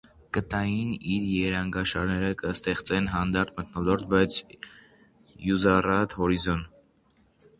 Կտաւին իր երանգաշարերը կը ստեղծեն հանդարտ մթնոլորտ բայց յուզառատ հորիզոն։